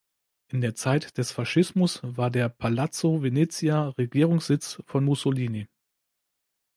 In der Zeit des Faschismus war der Palazzo Venezia Regierungssitz von Mussolini.